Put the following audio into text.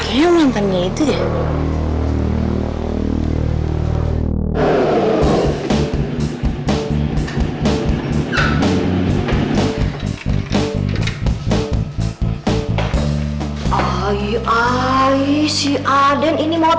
sumpah deh tadi dia sama cewek disana